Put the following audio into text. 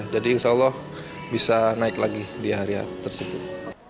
jadi insya allah bisa naik lagi di hari h tersebut